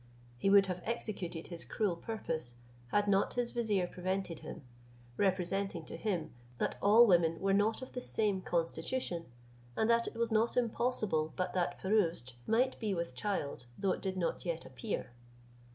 He would have executed his cruel purpose had not his vizier prevented him; representing to him that all women were not of the same constitution, and that it was not impossible but that Pirouzč might be with child, though it did not yet appear.